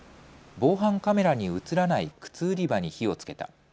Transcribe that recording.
防犯カメラに写らない靴売り場に火をつけた。